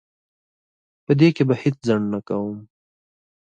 په دې کې به هیڅ ځنډ نه کوم.